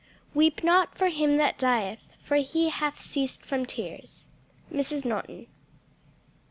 "Weep not for him that dieth, For he hath ceased from tears." _Mrs. Norton.